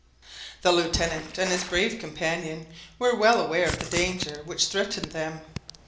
The Lieutenant and his brave companion were well aware of the danger which threatened them.